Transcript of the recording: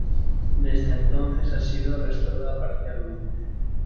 Desde entonces ha sido restaurada parcialmente.